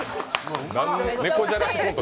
猫じゃらしコント